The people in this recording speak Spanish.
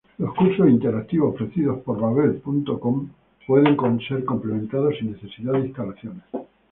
Los cursos interactivos ofrecidos por babbel.com pueden ser completados sin necesidad de instalaciones.